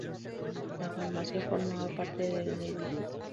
La farmacia formaba parte del edificio.